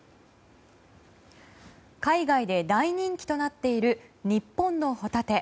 海外で大人気となっている日本のホタテ。